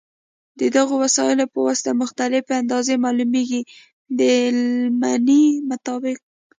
د دغو وسایلو په واسطه مختلفې اندازې معلومېږي د لمنې مطابق.